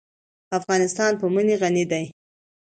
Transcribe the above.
افغانستان په منی غني دی.